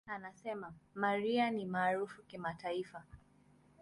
Anasema, "Mariah ni maarufu kimataifa.